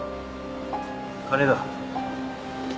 金だ。